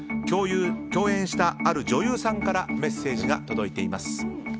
共演した、ある女優さんからメッセージが届いています。